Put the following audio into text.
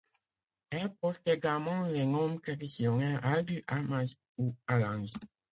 Elle porte également les noms traditionnels Haldus, Almaaz ou Al Anz.